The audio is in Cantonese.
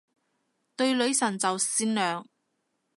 對女神就善良